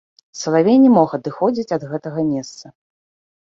Салавей не мог адыходзіць ад гэтага месца.